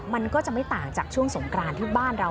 มันก็จะไม่ต่างจากช่วงสงกรานที่บ้านเรา